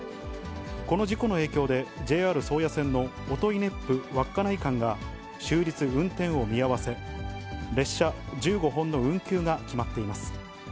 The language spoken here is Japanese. この事故の影響で、ＪＲ宗谷線の音威子府・稚内間が終日運転を見合わせ、列車１５本の運休が決まっています。